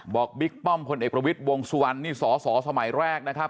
บิ๊กป้อมพลเอกประวิทย์วงสุวรรณนี่สอสอสมัยแรกนะครับ